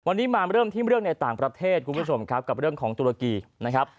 วันนี้มาเริ่มที่เรื่องในต่างประเทศคุณผู้ชมครับกับเรื่องของตุรกีนะครับ